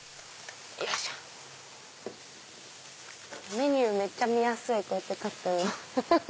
メニューめっちゃ見やすいこうやって立ってるの。